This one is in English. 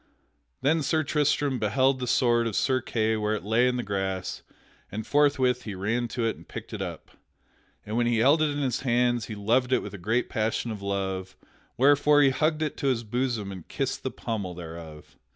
Then Sir Tristram beheld the sword of Sir Kay where it lay in the grass and forthwith he ran to it and picked it up. And when he held it in his hands he loved it with a great passion of love, wherefore he hugged it to his bosom and kissed the pommel thereof.